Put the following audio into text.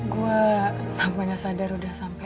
gue sampe nyasadar udah sampe